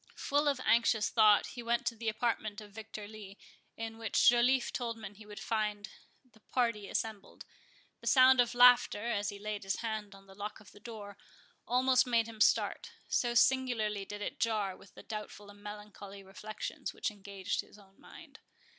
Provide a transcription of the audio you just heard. Full of anxious thought, he went to the apartment of Victor Lee, in which Joliffe told him he would find the party assembled. The sound of laughter, as he laid his hand on the lock of the door, almost made him start, so singularly did it jar with the doubtful and melancholy reflections which engaged his own mind.